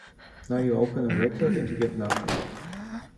Now, you open a record and you get nothing.